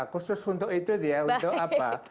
khusus untuk itu dia untuk apa